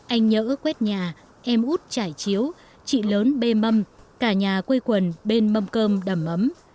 anh nhỡ quét nhà em út trải chiếu chị lớn bê mâm cả nhà quây quần bên mâm cơm đầm ấm